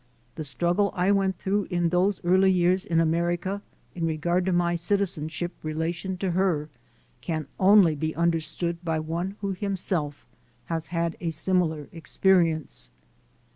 The struggle I went through in those early years in America in regard to my citizenship relation to her can only be understood by one who himself has had a similar experience.